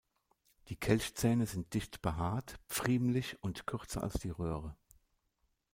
Die Kelchzähne sind dicht behaart, pfriemlich und kürzer als die Röhre.